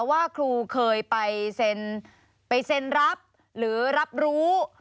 ว่าครูเคยไปเซ็นรับหรือรับรู้